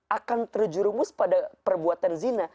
akan terjurumus pada perbuatan zina